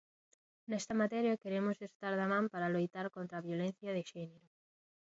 Nesta materia queremos estar da man para loitar contra a violencia de xénero.